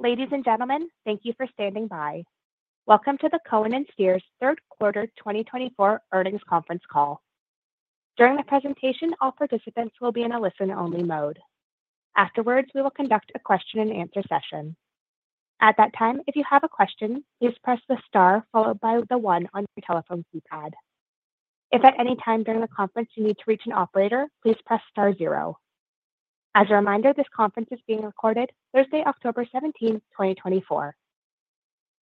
Ladies and gentlemen, thank you for standing by. Welcome to the Cohen & Steers Third Quarter 2024 Earnings Conference Call. During the presentation, all participants will be in a listen-only mode. Afterwards, we will conduct a question-and-answer session. At that time, if you have a question, please press the star followed by the one on your telephone keypad. If at any time during the conference you need to reach an operator, please press star zero. As a reminder, this conference is being recorded Thursday, October 17th, 2024.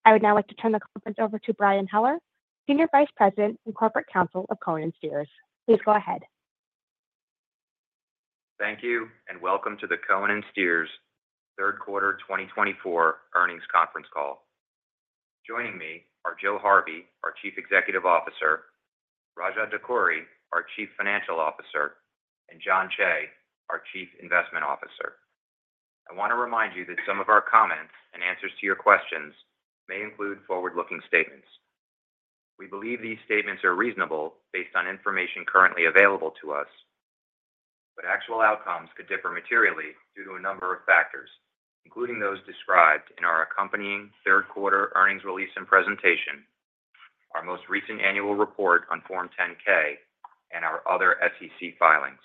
I would now like to turn the conference over to Brian Heller, Senior Vice President and Corporate Counsel of Cohen & Steers. Please go ahead. Thank you, and welcome to the Cohen & Steers Third Quarter 2024 Earnings Conference Call. Joining me are Joe Harvey, our Chief Executive Officer, Raja Dakkuri, our Chief Financial Officer, and Jon Cheigh, our Chief Investment Officer. I want to remind you that some of our comments and answers to your questions may include forward-looking statements. We believe these statements are reasonable based on information currently available to us, but actual outcomes could differ materially due to a number of factors, including those described in our accompanying third quarter earnings release and presentation, our most recent annual report on Form 10-K, and our other SEC filings.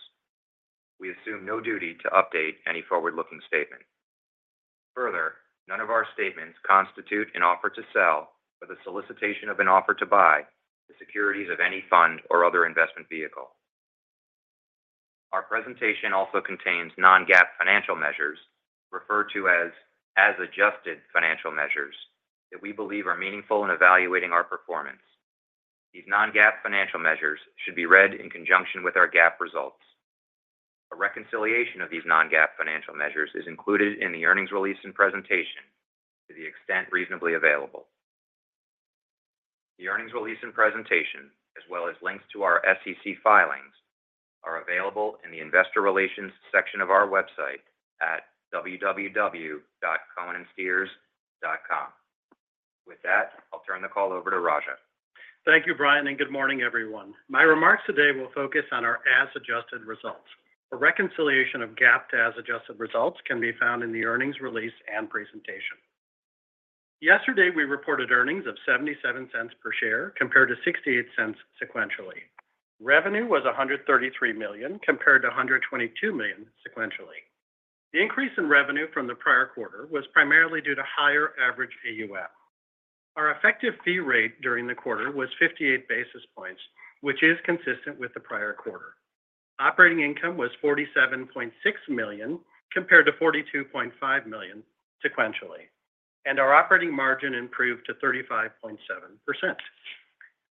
We assume no duty to update any forward-looking statement. Further, none of our statements constitute an offer to sell or the solicitation of an offer to buy the securities of any fund or other investment vehicle. Our presentation also contains non-GAAP financial measures, referred to as as adjusted financial measures, that we believe are meaningful in evaluating our performance. These non-GAAP financial measures should be read in conjunction with our GAAP results. A reconciliation of these non-GAAP financial measures is included in the earnings release and presentation to the extent reasonably available. The earnings release and presentation, as well as links to our SEC filings, are available in the Investor Relations section of our website at www.cohenandsteers.com. With that, I'll turn the call over to Raja. Thank you, Brian, and good morning, everyone. My remarks today will focus on our as-adjusted results. A reconciliation of GAAP to as-adjusted results can be found in the earnings release and presentation. Yesterday, we reported earnings of $0.77 per share, compared to $0.68 sequentially. Revenue was $133 million, compared to $122 million sequentially. The increase in revenue from the prior quarter was primarily due to higher average AUM. Our effective fee rate during the quarter was 58 basis points, which is consistent with the prior quarter. Operating income was $47.6 million, compared to $42.5 million sequentially, and our operating margin improved to 35.7%.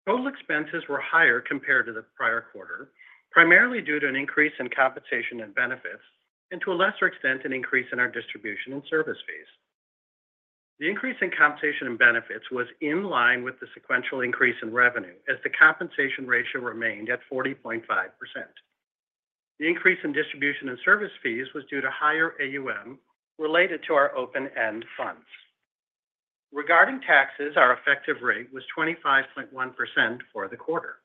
Total expenses were higher compared to the prior quarter, primarily due to an increase in compensation and benefits, and to a lesser extent, an increase in our distribution and service fees. The increase in compensation and benefits was in line with the sequential increase in revenue, as the compensation ratio remained at 40.5%. The increase in distribution and service fees was due to higher AUM related to our open-end funds. Regarding taxes, our effective rate was 25.1% for the quarter.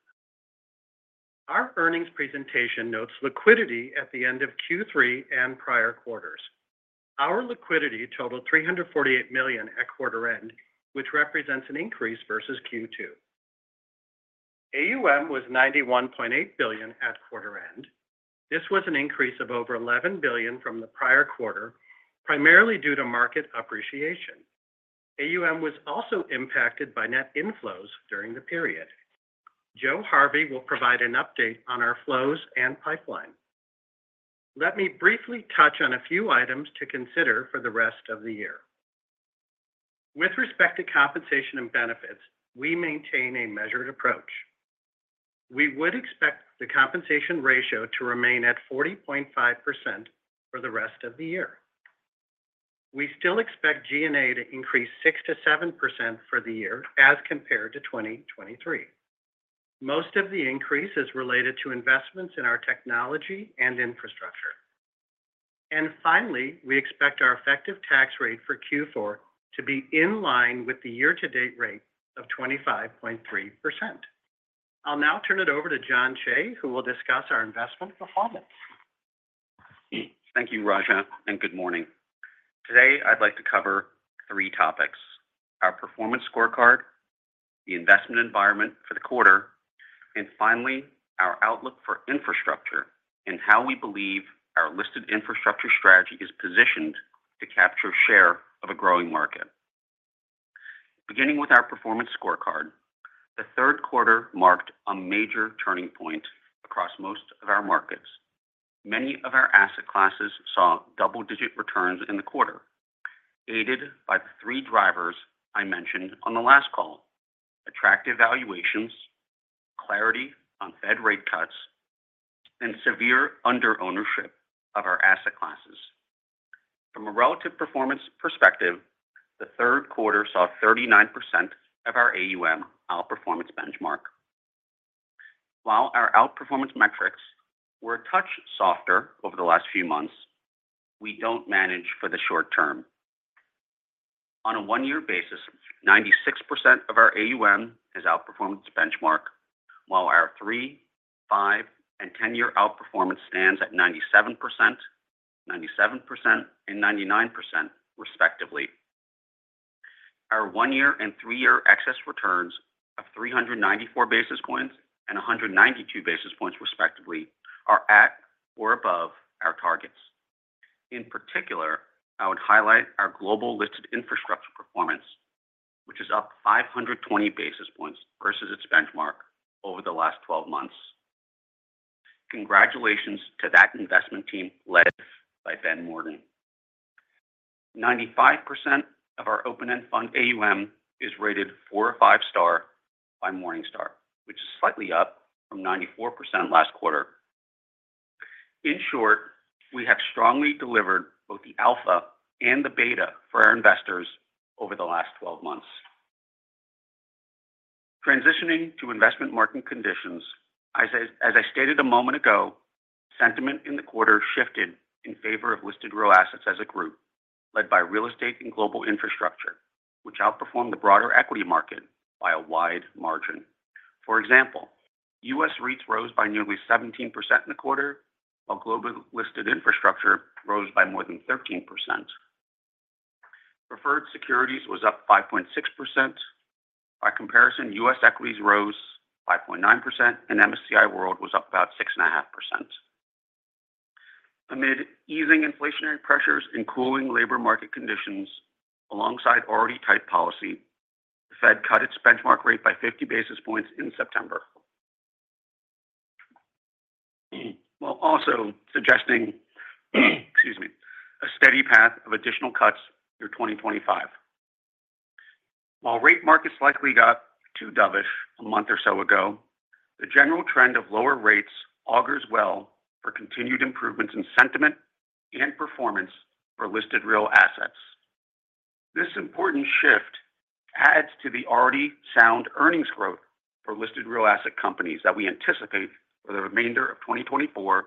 Our earnings presentation notes liquidity at the end of Q3 and prior quarters. Our liquidity totaled $348 million at quarter end, which represents an increase versus Q2. AUM was $91.8 billion at quarter end. This was an increase of over $11 billion from the prior quarter, primarily due to market appreciation. AUM was also impacted by net inflows during the period. Joe Harvey will provide an update on our flows and pipeline. Let me briefly touch on a few items to consider for the rest of the year. With respect to compensation and benefits, we maintain a measured approach. We would expect the compensation ratio to remain at 40.5% for the rest of the year. We still expect G&A to increase 6%-7% for the year as compared to 2023. Most of the increase is related to investments in our technology and infrastructure. Finally, we expect our effective tax rate for Q4 to be in line with the year-to-date rate of 25.3%. I'll now turn it over to Jon Cheigh, who will discuss our investment performance. Thank you, Raja, and good morning. Today, I'd like to cover three topics: our performance scorecard, the investment environment for the quarter, and finally, our outlook for infrastructure and how we believe our listed infrastructure strategy is positioned to capture share of a growing market. Beginning with our performance scorecard, the third quarter marked a major turning point across most of our markets. Many of our asset classes saw double-digit returns in the quarter, aided by the three drivers I mentioned on the last call: attractive valuations, clarity on Fed rate cuts, and severe underownership of our asset classes. From a relative performance perspective, the third quarter saw 39% of our AUM outperformance benchmark. While our outperformance metrics were a touch softer over the last few months, we don't manage for the short term. On a one-year basis, 96% of our AUM has outperformed its benchmark. While our three-, five-, and ten-year outperformance stands at 97%, 97%, and 99% respectively. Our one-year and three-year excess returns of 394 basis points and 192 basis points, respectively, are at or above our targets. In particular, I would highlight our global listed infrastructure performance, which is up 520 basis points versus its benchmark over the last 12 months. Congratulations to that investment team led by Ben Morton. 95% of our open-end fund AUM is rated four or five star by Morningstar, which is slightly up from 94% last quarter. In short, we have strongly delivered both the alpha and the beta for our investors over the last twelve months. Transitioning to investment market conditions, as I stated a moment ago, sentiment in the quarter shifted in favor of listed real assets as a group, led by real estate and global infrastructure, which outperformed the broader equity market by a wide margin. For example, US REITs rose by nearly 17% in the quarter, while global listed infrastructure rose by more than 13%. Preferred Securities was up by 0.6%. By comparison, US equities rose by 0.9%, and MSCI World was up about 6.5%. Amid easing inflationary pressures and cooling labor market conditions alongside already tight policy, the Fed cut its benchmark rate by 50 basis points in September, while also suggesting, excuse me, a steady path of additional cuts through 2025.While rate markets likely got too dovish a month or so ago, the general trend of lower rates augurs well for continued improvements in sentiment and performance for listed real assets. This important shift adds to the already sound earnings growth for listed real asset companies that we anticipate for the remainder of 2024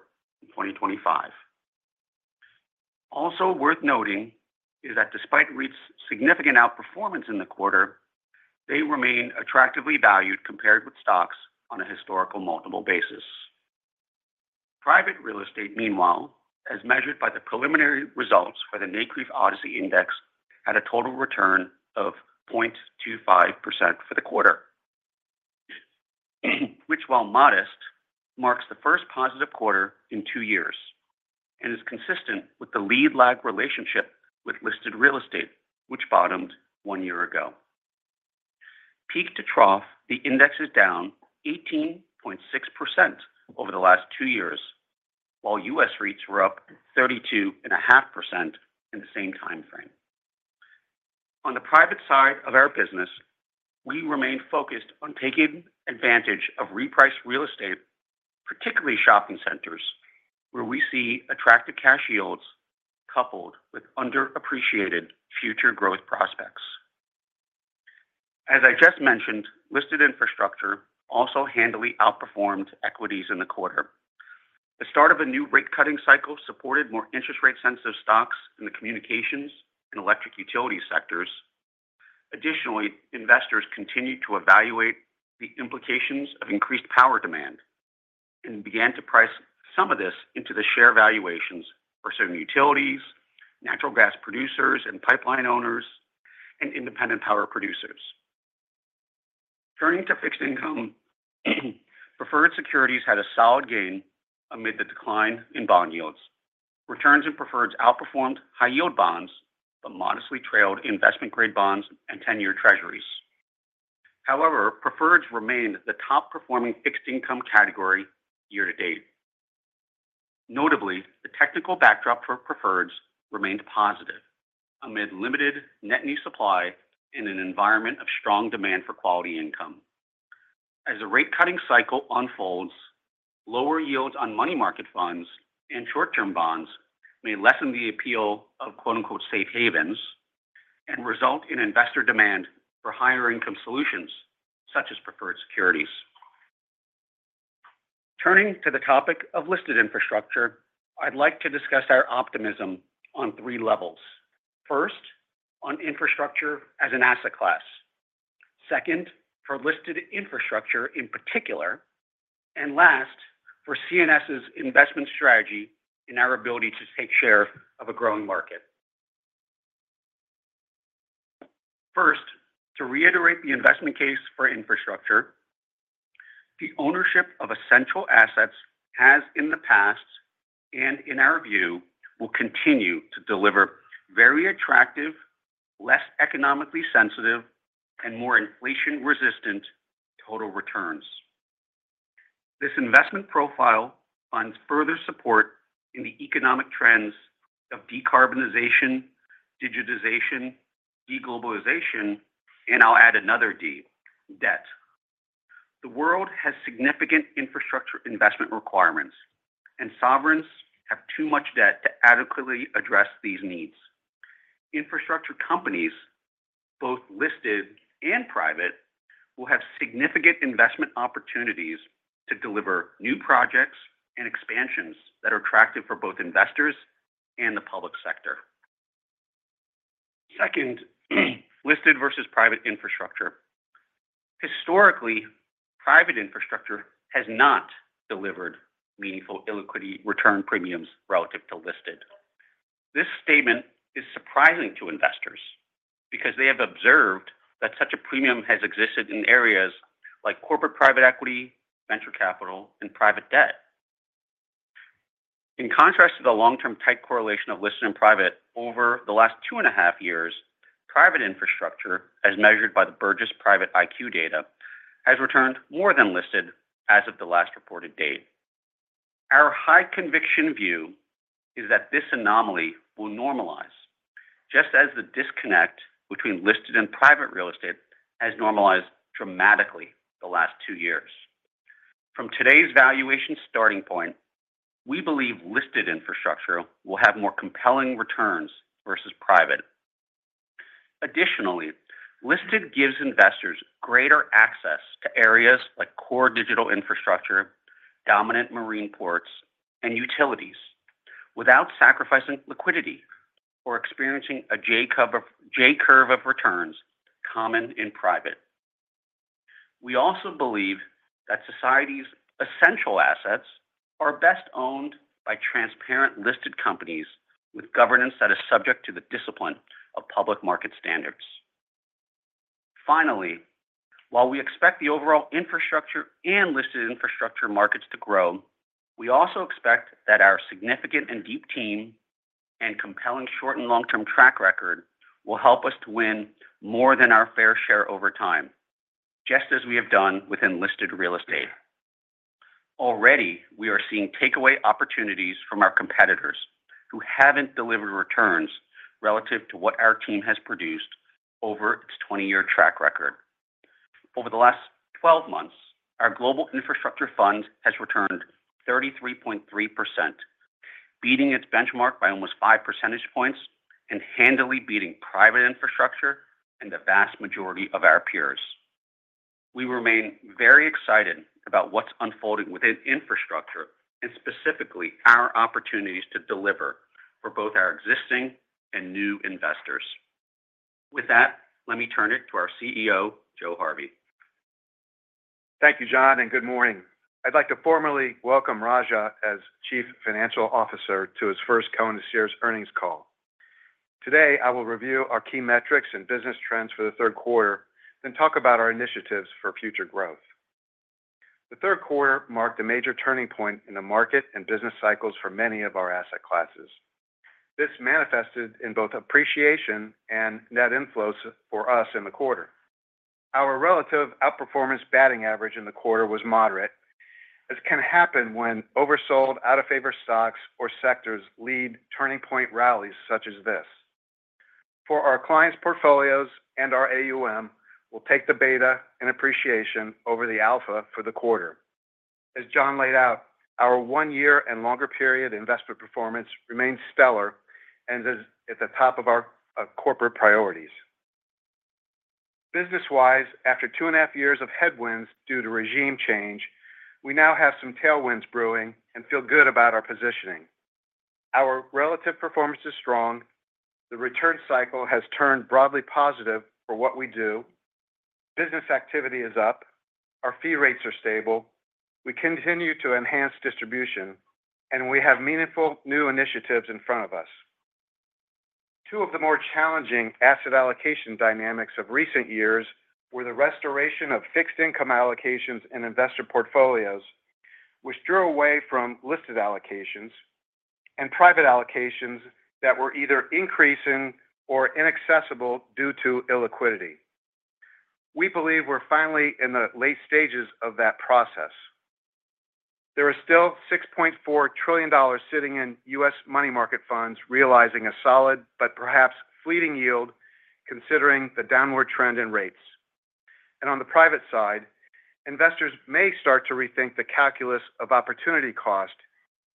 and 2025. Also worth noting is that despite REITs significant outperformance in the quarter, they remain attractively valued compared with stocks on a historical multiple basis. Private real estate, meanwhile, as measured by the preliminary results for the NCREIF ODCE Index, had a total return of 0.25% for the quarter, which, while modest, marks the first positive quarter in two years and is consistent with the lead lag relationship with listed real estate, which bottomed one year ago. Peak to trough, the index is down 18.6% over the last two years, while US REITs were up 32.5% in the same time frame. On the private side of our business, we remain focused on taking advantage of repriced real estate, particularly shopping centers, where we see attractive cash yields coupled with underappreciated future growth prospects. As I just mentioned, listed infrastructure also handily outperformed equities in the quarter. The start of a new rate-cutting cycle supported more interest rate-sensitive stocks in the communications and electric utility sectors. Additionally, investors continued to evaluate the implications of increased power demand and began to price some of this into the share valuations for certain utilities, natural gas producers and pipeline owners, and independent power producers. Turning to fixed income, preferred securities had a solid gain amid the decline in bond yields. Returns and preferreds outperformed high-yield bonds, but modestly trailed investment-grade bonds and 10-year treasuries. However, preferreds remained the top-performing fixed-income category year to date. Notably, the technical backdrop for preferreds remained positive amid limited net new supply in an environment of strong demand for quality income. As the rate-cutting cycle unfolds, lower yields on money market funds and short-term bonds may lessen the appeal of quote-unquote, safe havens and result in investor demand for higher income solutions such as preferred securities. Turning to the topic of listed infrastructure, I'd like to discuss our optimism on three levels. First, on infrastructure as an asset class. Second, for listed infrastructure in particular. And last, for CNS's investment strategy and our ability to take share of a growing market. First, to reiterate the investment case for infrastructure, the ownership of essential assets has in the past, and in our view, will continue to deliver very attractive, less economically sensitive, and more inflation-resistant total returns. This investment profile finds further support in the economic trends of decarbonization, digitization, deglobalization, and I'll add another D, debt. The world has significant infrastructure investment requirements, and sovereigns have too much debt to adequately address these needs. Infrastructure companies, both listed and private, will have significant investment opportunities to deliver new projects and expansions that are attractive for both investors and the public sector.... Second, listed versus private infrastructure. Historically, private infrastructure has not delivered meaningful illiquidity return premiums relative to listed. This statement is surprising to investors because they have observed that such a premium has existed in areas like corporate private equity, venture capital, and private debt. In contrast to the long-term tight correlation of listed and private over the last two and a half years, private infrastructure, as measured by the Burgess Private IQ data, has returned more than listed as of the last reported date. Our high conviction view is that this anomaly will normalize, just as the disconnect between listed and private real estate has normalized dramatically the last two years. From today's valuation starting point, we believe listed infrastructure will have more compelling returns versus private. Additionally, listed gives investors greater access to areas like core digital infrastructure, dominant marine ports, and utilities without sacrificing liquidity or experiencing a J curve of returns common in private. We also believe that society's essential assets are best owned by transparent listed companies with governance that is subject to the discipline of public market standards. Finally, while we expect the overall infrastructure and listed infrastructure markets to grow, we also expect that our significant and deep team, and compelling short and long-term track record will help us to win more than our fair share over time, just as we have done within listed real estate. Already, we are seeing takeaway opportunities from our competitors who haven't delivered returns relative to what our team has produced over its 20-year track record. Over the last twelve months, our global infrastructure fund has returned 33.3%, beating its benchmark by almost 5% points and handily beating private infrastructure and the vast majority of our peers. We remain very excited about what's unfolding within infrastructure and specifically our opportunities to deliver for both our existing and new investors. With that, let me turn it to our CEO, Joe Harvey. Thank you, John, and good morning. I'd like to formally welcome Raja as Chief Financial Officer to his first Cohen & Steers earnings call. Today, I will review our key metrics and business trends for the third quarter, then talk about our initiatives for future growth. The third quarter marked a major turning point in the market and business cycles for many of our asset classes. This manifested in both appreciation and net inflows for us in the quarter. Our relative outperformance batting average in the quarter was moderate, as can happen when oversold, out-of-favor stocks or sectors lead turning point rallies such as this. For our clients' portfolios and our AUM, we'll take the beta and appreciation over the alpha for the quarter. As John laid out, our one year and longer period investment performance remains stellar and is at the top of our corporate priorities. Business-wise, after two and a half years of headwinds due to regime change, we now have some tailwinds brewing and feel good about our positioning. Our relative performance is strong. The return cycle has turned broadly positive for what we do. Business activity is up, our fee rates are stable. We continue to enhance distribution, and we have meaningful new initiatives in front of us. Two of the more challenging asset allocation dynamics of recent years were the restoration of fixed income allocations in investor portfolios, which drew away from listed allocations and private allocations that were either increasing or inaccessible due to illiquidity. We believe we're finally in the late stages of that process. There are still $6.4 trillion sitting in US money market funds, realizing a solid but perhaps fleeting yield, considering the downward trend in rates. On the private side, investors may start to rethink the calculus of opportunity cost,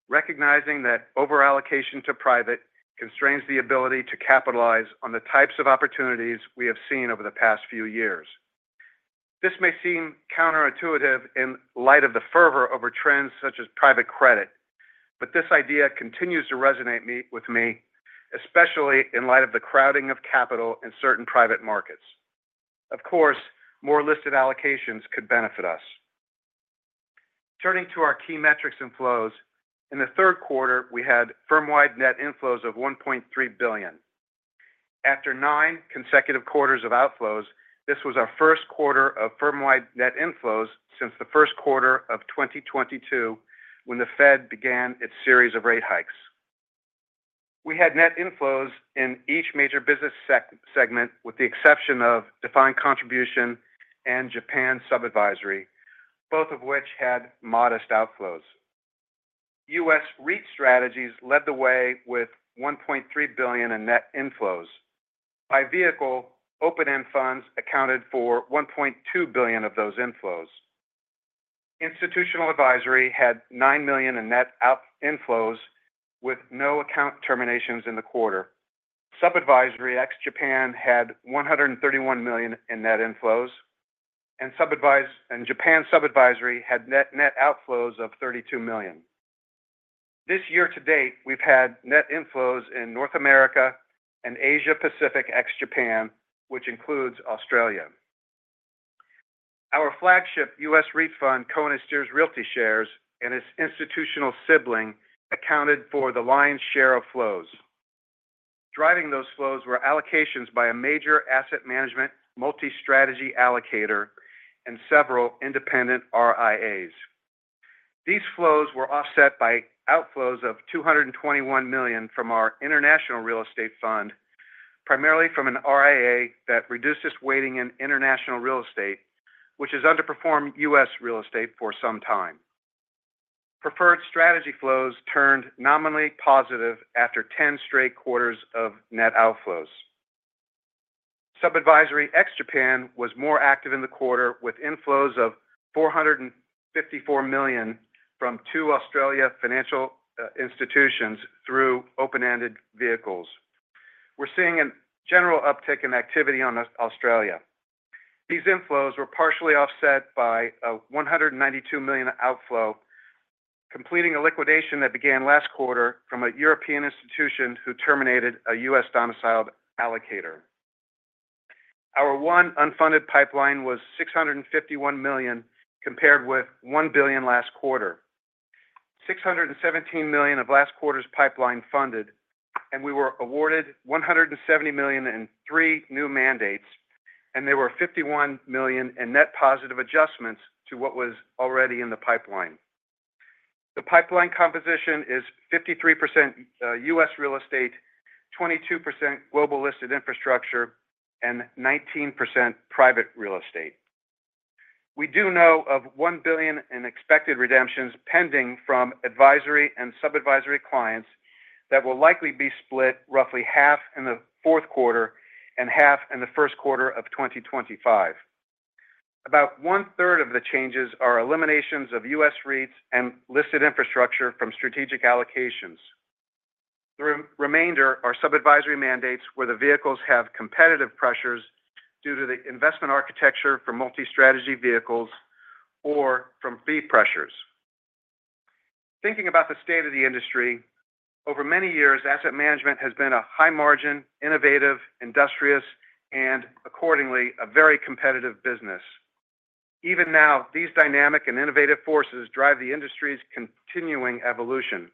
recognizing that over allocation to private constrains the ability to capitalize on the types of opportunities we have seen over the past few years. This may seem counterintuitive in light of the fervor over trends such as private credit, but this idea continues to resonate with me, especially in light of the crowding of capital in certain private markets. Of course, more listed allocations could benefit us. Turning to our key metrics and flows, in the third quarter, we had firm-wide net inflows of $1.3 billion. After nine consecutive quarters of outflows, this was our first quarter of firm-wide net inflows since the first quarter of 2022, when the Fed began its series of rate hikes. We had net inflows in each major business segment, with the exception of defined contribution and Japan sub-advisory, both of which had modest outflows. US REIT strategies led the way with $1.3 billion in net inflows. By vehicle, open-end funds accounted for $1.2 billion of those inflows. Institutional advisory had $9 million in net inflows, with no account terminations in the quarter. Sub-advisory ex Japan had $131 million in net inflows, and sub-advisory and Japan sub-advisory had net outflows of $32 million. This year to date, we've had net inflows in North America and Asia Pacific, ex-Japan, which includes Australia. Our flagship US REIT fund, Cohen & Steers Realty Shares, and its institutional sibling, accounted for the lion's share of flows. Driving those flows were allocations by a major asset management multi-strategy allocator and several independent RIAs.These flows were offset by outflows of $221 million from our international real estate fund, primarily from an RIA that reduced its weighting in international real estate, which has underperformed US real estate for some time. Preferred strategy flows turned nominally positive after 10 straight quarters of net outflows. Sub-advisory ex-Japan was more active in the quarter, with inflows of $454 million from two Australia financial institutions through open-ended vehicles. We're seeing a general uptick in activity on Australia. These inflows were partially offset by a $192 million outflow, completing a liquidation that began last quarter from a European institution who terminated a US-domiciled allocator. Our one unfunded pipeline was $651 million, compared with $1 billion last quarter. $617 million of last quarter's pipeline funded, and we were awarded $170 million in three new mandates, and there were $51 million in net positive adjustments to what was already in the pipeline. The pipeline composition is 53%, US real estate, 22% global listed infrastructure, and 19% private real estate. We do know of $1 billion in expected redemptions pending from advisory and sub-advisory clients that will likely be split roughly half in the fourth quarter and half in the first quarter of 2025. About one-third of the changes are eliminations of US REITs and listed infrastructure from strategic allocations. The remainder are sub-advisory mandates, where the vehicles have competitive pressures due to the investment architecture for multi-strategy vehicles or from fee pressures. Thinking about the state of the industry, over many years, asset management has been a high-margin, innovative, industrious, and accordingly, a very competitive business. Even now, these dynamic and innovative forces drive the industry's continuing evolution.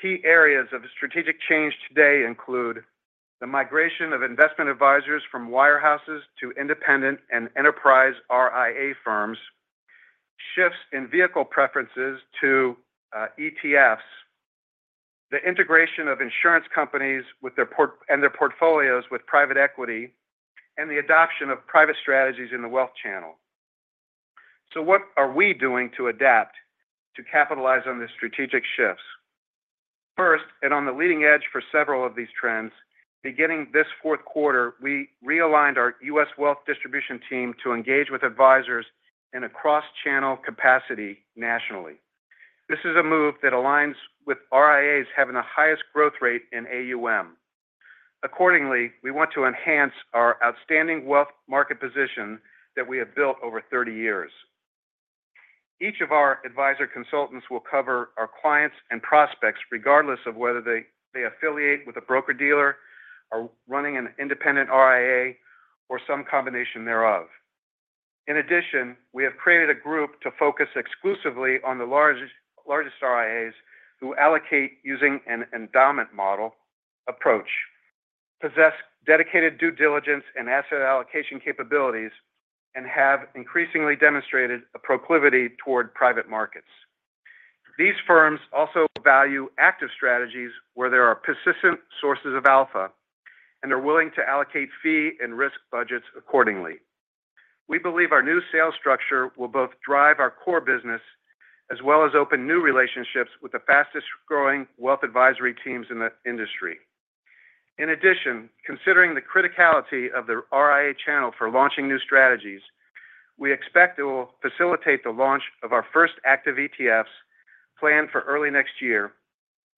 Key areas of strategic change today include the migration of investment advisors from wirehouses to independent and enterprise RIA firms, shifts in vehicle preferences to ETFs, the integration of insurance companies and their portfolios with private equity, and the adoption of private strategies in the wealth channel. So what are we doing to adapt to capitalize on the strategic shifts? First, and on the leading edge for several of these trends, beginning this fourth quarter, we realigned our US wealth distribution team to engage with advisors in a cross-channel capacity nationally. This is a move that aligns with RIAs having the highest growth rate in AUM.Accordingly, we want to enhance our outstanding wealth market position that we have built over thirty years. Each of our advisor consultants will cover our clients and prospects, regardless of whether they affiliate with a broker-dealer, are running an independent RIA, or some combination thereof. In addition, we have created a group to focus exclusively on the largest RIAs who allocate using an endowment model approach, possess dedicated due diligence and asset allocation capabilities, and have increasingly demonstrated a proclivity toward private markets. These firms also value active strategies where there are persistent sources of alpha and are willing to allocate fee and risk budgets accordingly. We believe our new sales structure will both drive our core business as well as open new relationships with the fastest-growing wealth advisory teams in the industry. In addition, considering the criticality of the RIA channel for launching new strategies, we expect it will facilitate the launch of our first active ETFs planned for early next year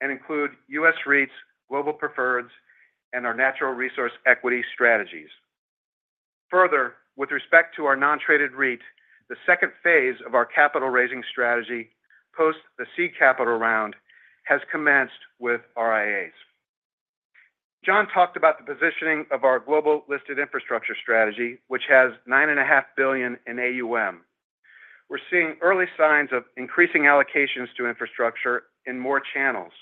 and include US REITs, global preferreds, and our natural resource equity strategies. Further, with respect to our non-traded REIT, the second phase of our capital-raising strategy post the seed capital round has commenced with RIAs. Jon talked about the positioning of our global listed infrastructure strategy, which has $9.5 billion in AUM. We're seeing early signs of increasing allocations to infrastructure in more channels.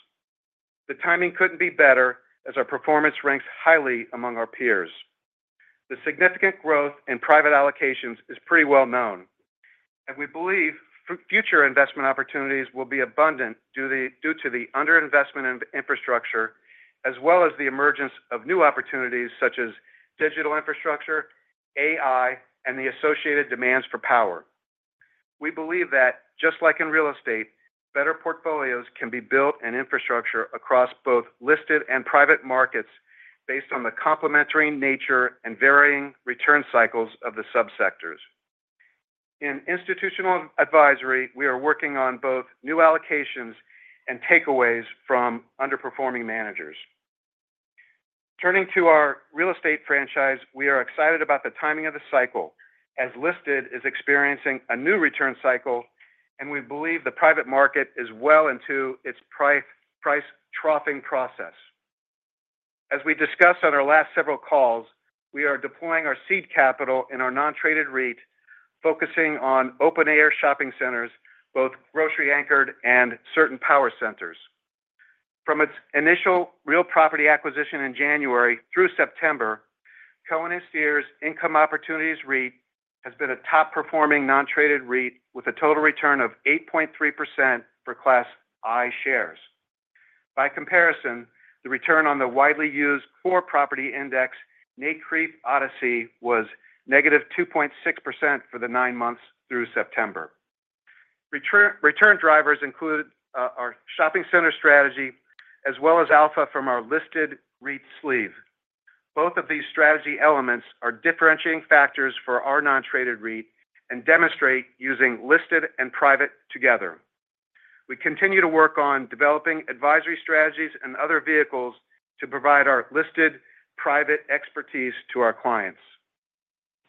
The timing couldn't be better, as our performance ranks highly among our peers. The significant growth in private allocations is pretty well known, and we believe future investment opportunities will be abundant due to the underinvestment in infrastructure, as well as the emergence of new opportunities such as digital infrastructure, AI, and the associated demands for power. We believe that, just like in real estate, better portfolios can be built in infrastructure across both listed and private markets based on the complementary nature and varying return cycles of the sub-sectors. In institutional advisory, we are working on both new allocations and takeaways from underperforming managers. Turning to our real estate franchise, we are excited about the timing of the cycle, as listed is experiencing a new return cycle, and we believe the private market is well into its price troughing process. As we discussed on our last several calls, we are deploying our seed capital in our non-traded REIT, focusing on open-air shopping centers, both grocery-anchored and certain power centers. From its initial real property acquisition in January through September, Cohen & Steers Income Opportunities REIT has been a top-performing non-traded REIT with a total return of 8.3% for Class I shares. By comparison, the return on the widely used core property index, NCREIF ODCE, was -2.6% for the nine months through September. Return drivers include our shopping center strategy, as well as alpha from our listed REIT sleeve. Both of these strategy elements are differentiating factors for our non-traded REIT and demonstrate using listed and private together. We continue to work on developing advisory strategies and other vehicles to provide our listed private expertise to our clients.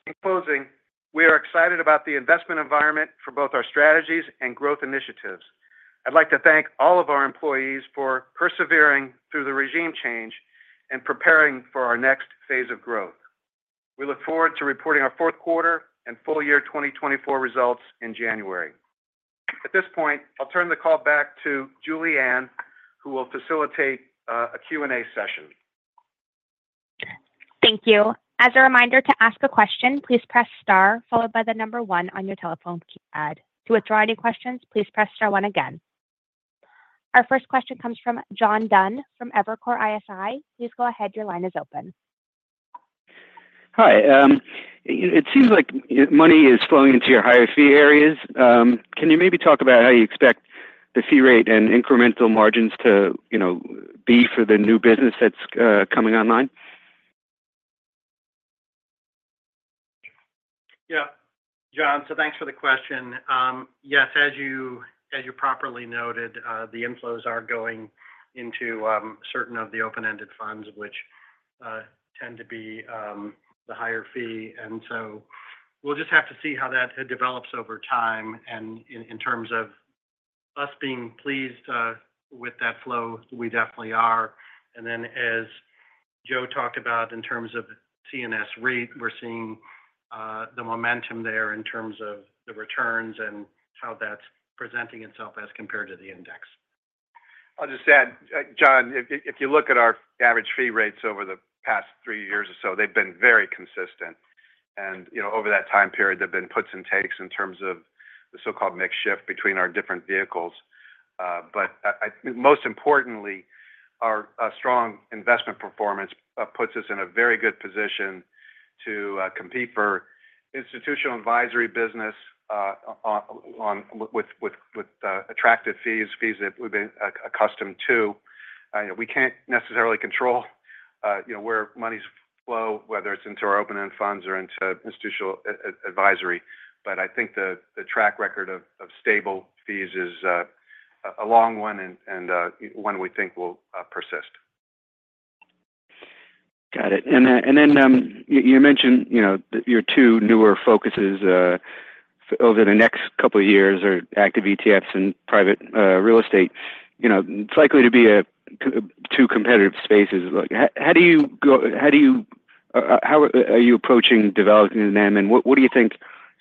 In closing, we are excited about the investment environment for both our strategies and growth initiatives. I'd like to thank all of our employees for persevering through the regime change and preparing for our next phase of growth. We look forward to reporting our Fourth Quarter and Full Year 2024 Results in January. At this point, I'll turn the call back to Julianne, who will facilitate a Q&A session. Thank you. As a reminder to ask a question, please press Star followed by the number one on your telephone keypad. To withdraw any questions, please press Star one again. Our first question comes from John Dunn from Evercore ISI. Please go ahead. Your line is open. Hi. It seems like money is flowing into your higher fee areas. Can you maybe talk about how you expect the fee rate and incremental margins to, you know, be for the new business that's coming online? Yeah. John, so thanks for the question. Yes, as you, as you properly noted, the inflows are going into certain of the open-ended funds, which tend to be the higher fee. And so we'll just have to see how that develops over time. And in terms of us being pleased with that flow, we definitely are. And then, as Joe talked about in terms of CNS REIT, we're seeing the momentum there in terms of the returns and how that's presenting itself as compared to the index. I'll just add, John, if you look at our average fee rates over the past three years or so, they've been very consistent, and you know, over that time period, there have been puts and takes in terms of the so-called mix shift between our different vehicles, but most importantly. Our strong investment performance puts us in a very good position to compete for institutional advisory business on with attractive fees, fees that we've been accustomed to. We can't necessarily control, you know, where monies flow, whether it's into our open-end funds or into institutional advisory, but I think the track record of stable fees is a long one and one we think will persist. Got it. And then, you mentioned, you know, your two newer focuses over the next couple of years are active ETFs and private real estate. You know, it's likely to be two competitive spaces. How do you, how are you approaching developing them, and what do you think,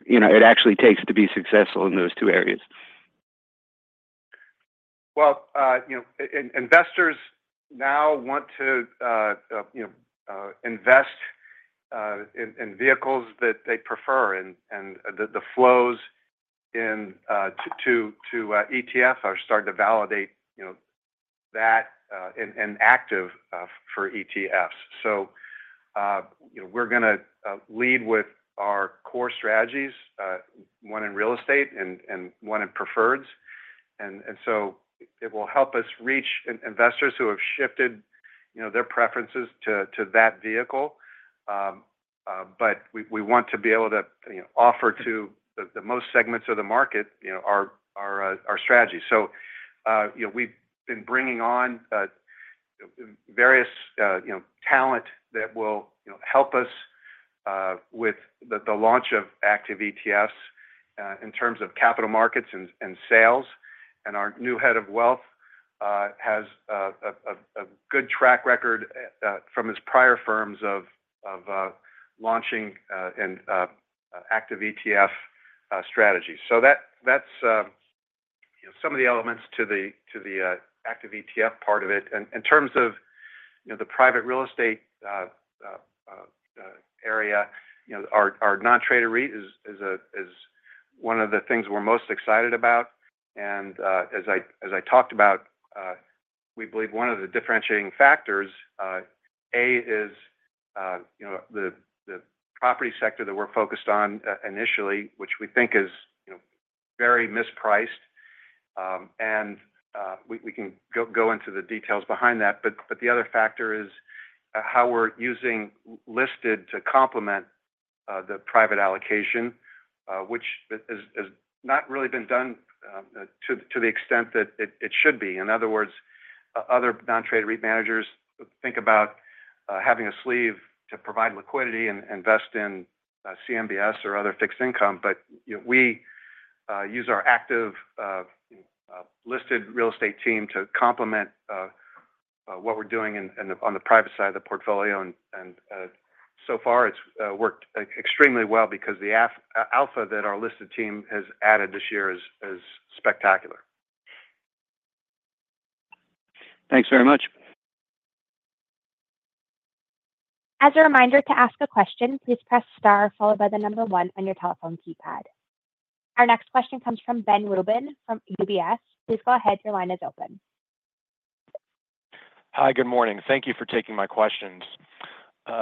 you know, it actually takes to be successful in those two areas? Well, you know, investors now want to, you know, invest in vehicles that they prefer, and the flows into ETFs are starting to validate, you know, that, and active for ETFs. So, you know, we're gonna lead with our core strategies, one in real estate and one in preferreds. And so it will help us reach investors who have shifted, you know, their preferences to that vehicle. But we want to be able to, you know, offer to the most segments of the market, you know, our strategy. So, you know, we've been bringing on various, you know, talent that will, you know, help us with the launch of active ETFs in terms of capital markets and sales. And our new head of wealth has a good track record from his prior firms of launching and active ETF strategies. So that's you know, some of the elements to the active ETF part of it. And in terms of you know, the private real estate area, you know, our non-traded REIT is one of the things we're most excited about. As I talked about, we believe one of the differentiating factors is you know the property sector that we're focused on initially which we think is you know very mispriced. We can go into the details behind that but the other factor is how we're using listed to complement the private allocation which is not really been done to the extent that it should be. In other words other non-traded REIT managers think about having a sleeve to provide liquidity and invest in CMBS or other fixed income. But you know we use our active listed real estate team to complement what we're doing on the private side of the portfolio. And so far, it's worked extremely well because the alpha that our listed team has added this year is spectacular. Thanks very much. As a reminder, to ask a question, please press Star, followed by the number one on your telephone keypad. Our next question comes from Ben Rubin from UBS. Please go ahead. Your line is open. Hi, good morning. Thank you for taking my questions.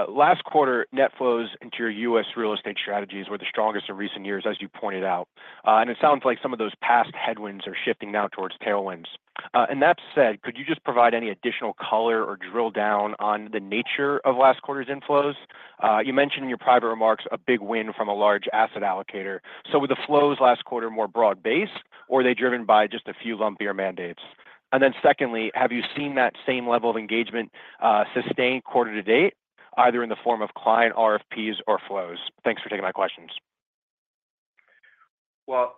Last quarter, net flows into your US real estate strategies were the strongest in recent years, as you pointed out. And it sounds like some of those past headwinds are shifting now towards tailwinds. And that said, could you just provide any additional color or drill down on the nature of last quarter's inflows? You mentioned in your private remarks a big win from a large asset allocator. So were the flows last quarter more broad-based, or were they driven by just a few lumpier mandates? And then secondly, have you seen that same level of engagement, sustained quarter to date, either in the form of client RFPs or flows? Thanks for taking my questions. Well,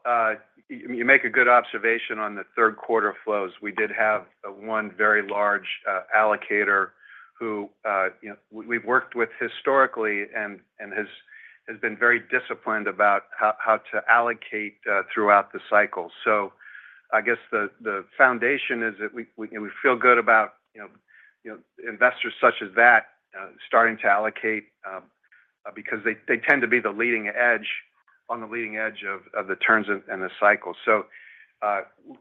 you make a good observation on the third quarter flows. We did have one very large allocator who, you know, we've worked with historically and has been very disciplined about how to allocate throughout the cycle. So I guess the foundation is that we feel good about, you know, investors such as that starting to allocate because they tend to be the leading edge of the turns and the cycle. So,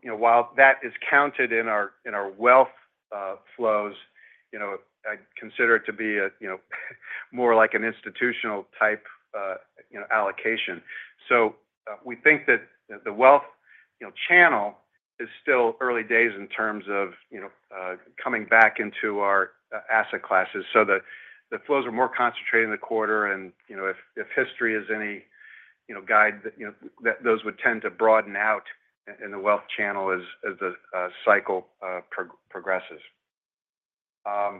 you know, while that is counted in our wealth flows, you know, I consider it to be a, you know, more like an institutional type allocation. So we think that the wealth, you know, channel is still early days in terms of, you know, coming back into our asset classes. So the flows are more concentrated in the quarter, and, you know, if history is any, you know, guide, that those would tend to broaden out in the wealth channel as the cycle progresses. Let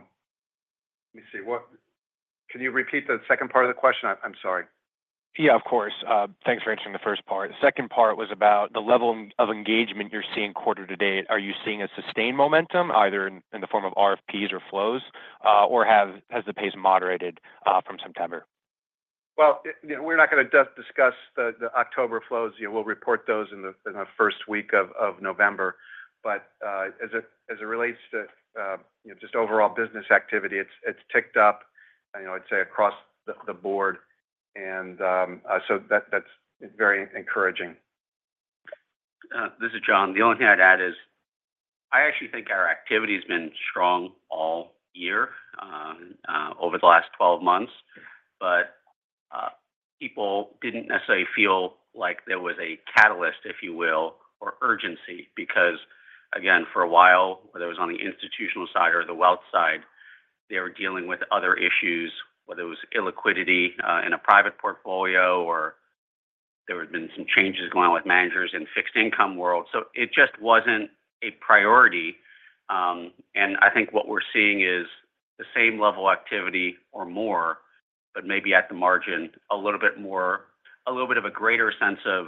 me see. Can you repeat the second part of the question? I'm sorry. Yeah, of course. Thanks for answering the first part. The second part was about the level of engagement you're seeing quarter to date. Are you seeing a sustained momentum, either in the form of RFPs or flows, or has the pace moderated from September? You know, we're not going to just discuss the October flows. We'll report those in the first week of November. But as it relates to just overall business activity, it's ticked up, you know. I'd say across the board, and so that's very encouraging. This is Jon. The only thing I'd add is, I actually think our activity has been strong all year, over the last 12 months. But, people didn't necessarily feel like there was a catalyst, if you will, or urgency, because, again, for a while, whether it was on the institutional side or the wealth side, they were dealing with other issues, whether it was illiquidity, in a private portfolio or there had been some changes going on with managers in fixed income world. So it just wasn't a priority. And I think what we're seeing is the same level of activity or more, but maybe at the margin, a little bit more, a little bit of a greater sense of,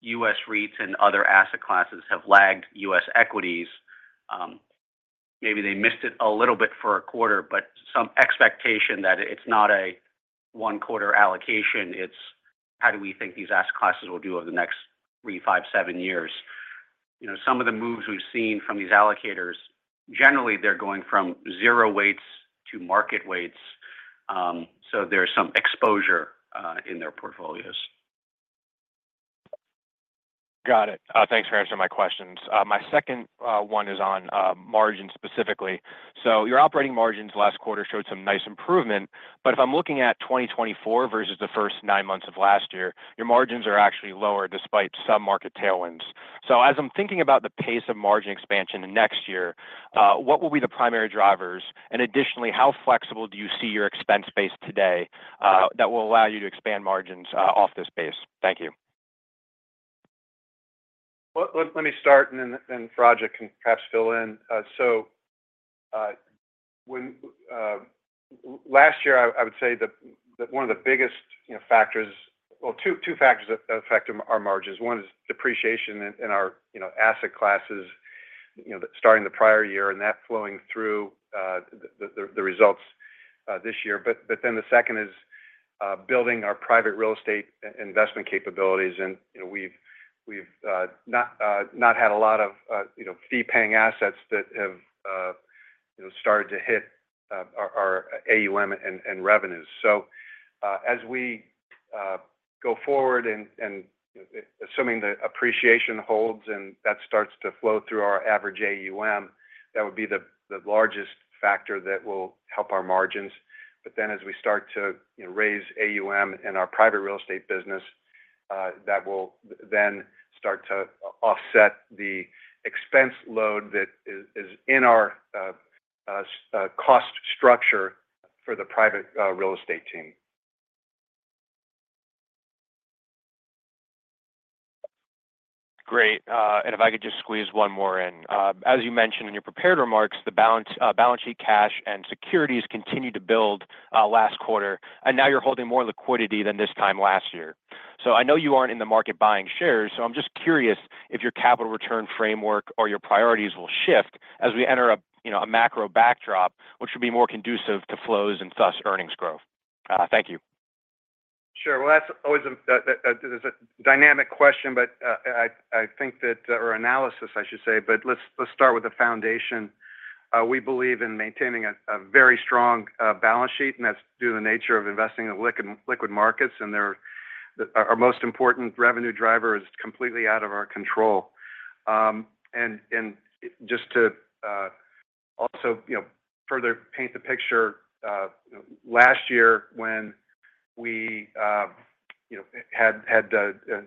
US REITs and other asset classes have lagged US equities. Maybe they missed it a little bit for a quarter, but some expectation that it's not a one-quarter allocation, it's how do we think these asset classes will do over the next three, five, seven years? You know, some of the moves we've seen from these allocators, generally, they're going from zero weights to market weights, so there's some exposure in their portfolios. Got it. Thanks for answering my questions. My second one is on margin specifically. So your operating margins last quarter showed some nice improvement, but if I'm looking at 2024 versus the first nine months of last year, your margins are actually lower despite some market tailwinds. So as I'm thinking about the pace of margin expansion in next year, what will be the primary drivers? And additionally, how flexible do you see your expense base today that will allow you to expand margins off this base? Thank you. Let me start, and then Prajak can perhaps fill in, so when last year, I would say that one of the biggest, you know, factors. Two factors that affect our margins. One is depreciation in our, you know, asset classes, you know, starting the prior year, and that flowing through the results this year, but then the second is building our private real estate investment capabilities, and, you know, we've not had a lot of, you know, fee-paying assets that have. You know, started to hit our AUM and revenues, so as we go forward and assuming the appreciation holds and that starts to flow through our average AUM, that would be the largest factor that will help our margins. But then as we start to, you know, raise AUM in our private real estate business, that will then start to offset the expense load that is in our cost structure for the private real estate team. Great. And if I could just squeeze one more in. As you mentioned in your prepared remarks, the balance sheet, cash, and securities continued to build last quarter, and now you're holding more liquidity than this time last year. So I know you aren't in the market buying shares, so I'm just curious if your capital return framework or your priorities will shift as we enter a, you know, a macro backdrop, which would be more conducive to flows and thus, earnings growth? Thank you. Sure. Well, that's always a dynamic question, but I think that, or analysis, I should say, but let's start with the foundation. We believe in maintaining a very strong balance sheet, and that's due to the nature of investing in liquid markets, and our most important revenue driver is completely out of our control. And just to also, you know, further paint the picture, last year, when we, you know, had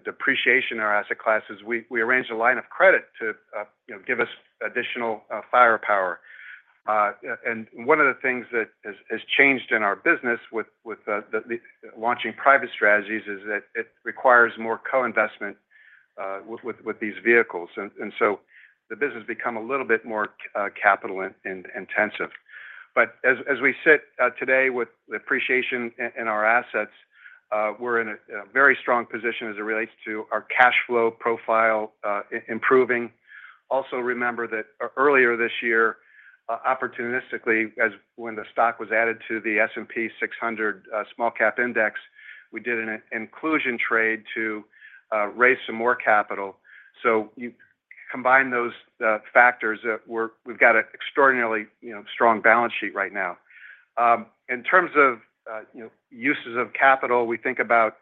depreciation in our asset classes, we arranged a line of credit to, you know, give us additional firepower. And one of the things that has changed in our business with the launching private strategies is that it requires more co-investment with these vehicles. And so the business become a little bit more capital-intensive. But as we sit today with the appreciation in our assets, we're in a very strong position as it relates to our cash flow profile improving. Also, remember that earlier this year, opportunistically, as when the stock was added to the S&P SmallCap 600 Index, we did an inclusion trade to raise some more capital. So you combine those factors, we've got an extraordinarily, you know, strong balance sheet right now. In terms of uses of capital, we think about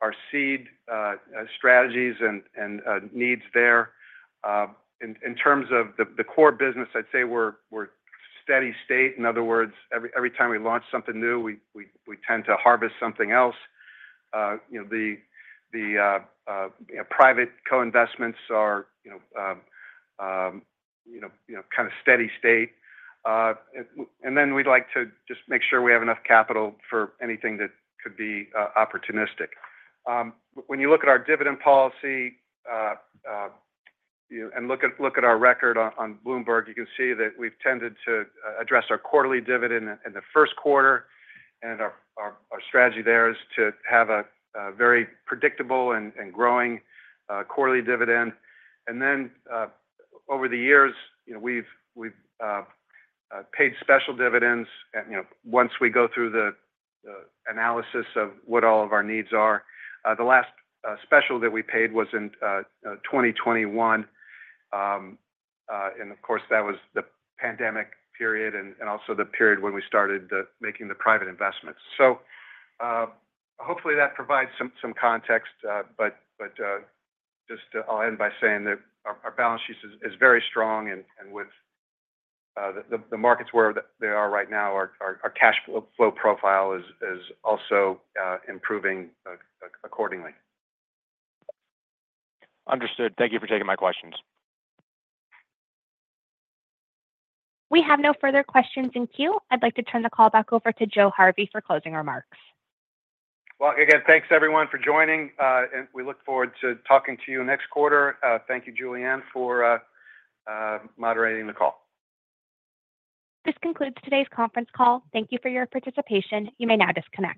our seed strategies and needs there. In terms of the core business, I'd say we're steady state. In other words, every time we launch something new, we tend to harvest something else. You know, private co-investments are you know, kinda steady state. And then we'd like to just make sure we have enough capital for anything that could be opportunistic. When you look at our dividend policy and look at our record on Bloomberg, you can see that we've tended to address our quarterly dividend in the first quarter, and our strategy there is to have a very predictable and growing quarterly dividend. And then, over the years, you know, we've paid special dividends. And, you know, once we go through the analysis of what all of our needs are, the last special that we paid was in twenty twenty-one. And of course, that was the pandemic period and also the period when we started making the private investments. So, hopefully, that provides some context, but just I'll end by saying that our balance sheet is very strong and with the markets where they are right now, our cash flow profile is also improving accordingly. Understood. Thank you for taking my questions. We have no further questions in queue. I'd like to turn the call back over to Joe Harvey for closing remarks. Again, thanks, everyone, for joining, and we look forward to talking to you next quarter. Thank you, Julianne, for moderating the call. This concludes today's conference call. Thank you for your participation. You may now disconnect.